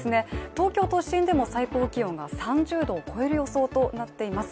東京都心でも明日は３０度を超える予想となっています。